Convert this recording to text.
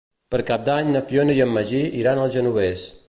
Per Cap d'Any na Fiona i en Magí iran al Genovés.